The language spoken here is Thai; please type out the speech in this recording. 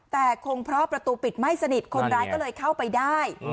แต่คงเพราะประตูปิดไม่สนิทคนร้ายก็เลยเข้าไปได้